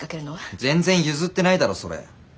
全然譲ってないだろそれ。